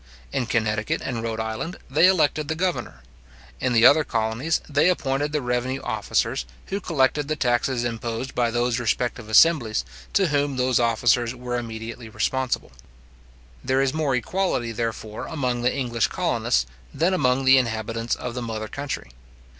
In Connecticut and Rhode Island, they elected the governor. In the other colonies, they appointed the revenue officers, who collected the taxes imposed by those respective assemblies, to whom those officers were immediately responsible. There is more equality, therefore, among the English colonists than among the inhabitants of the mother country.